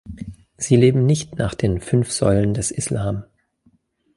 Sie leben nicht nach den „Fünf Säulen des Islam“.